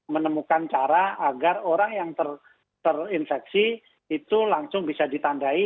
menemukan cara agar orang yang terinfeksi itu langsung bisa ditandai